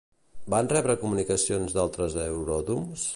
Van rebre comunicacions d'altres aeròdroms?